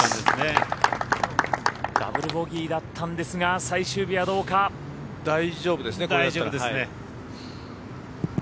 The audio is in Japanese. ダブルボギーだったんですが大丈夫ですね。